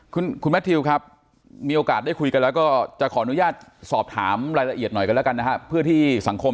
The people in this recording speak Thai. คุณแมททิวครับมีโอกาสได้คุยกันแล้ว